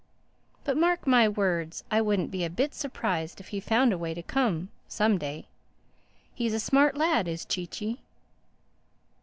But mark my words, I wouldn't be a bit surprised if he found a way to come—some day. He's a smart lad, is Chee Chee."